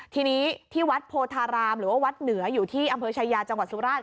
ทีนี้ที่วัดโพธารามหรือว่าวัดเหนืออยู่ที่อำเภอชายาจังหวัดสุราช